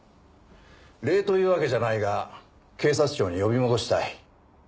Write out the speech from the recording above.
礼というわけじゃないが警察庁に呼び戻したい。